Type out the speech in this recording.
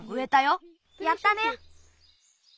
やったね！